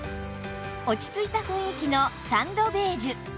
落ち着いた雰囲気のサンドベージュ